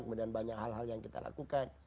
kemudian banyak hal hal yang kita lakukan